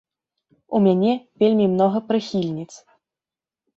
У мяне вельмі многа прыхільніц!